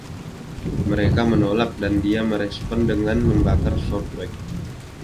Mereka menolak, dan dia merespons dengan membakar Southwark.